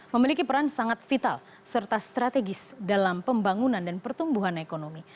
memiliki peran sangat vital serta strategis dalam pembangunan dan pertumbuhan ekonomi